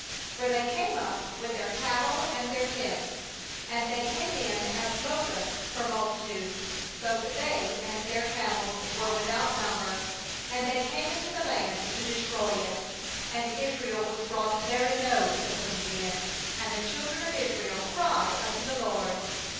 5For they came up with their cattle and their tents, and they came in as locusts for multitude; both they and their camels were with out number; and they came into the land to destroy it. 6And Israel was brought very low because of Midian; and the children of Israel cried unto the LORD.